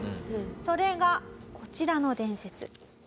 それがこちらの伝説。